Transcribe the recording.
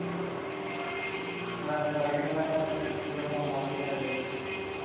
Mientras posa para las fotos, hace sonar el bandoneón junto a la ventana.